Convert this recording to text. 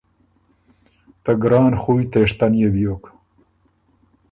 ته ګران خُویٛ تېشتن يې بیوک۔